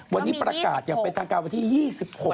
วันนี้ประกาศยังเป็นต่างการวันที่๒๖ศุกราคม